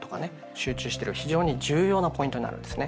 集中してる非常に重要なポイントになるんですね。